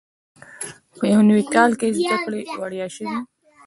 په یو نوي کال کې زده کړې وړیا شوې.